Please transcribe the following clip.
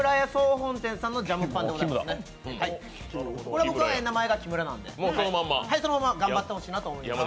これは名前が木村なので、そのまま頑張ってほしいと思います。